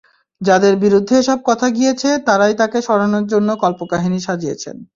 যাঁদের বিরুদ্ধে এসব কথা গিয়েছে, তাঁরাই তাঁকে সরানোর জন্য কল্পকাহিনি সাজিয়েছেন।